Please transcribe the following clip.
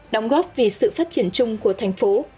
đóng góp vì sự phát triển chung của thành phố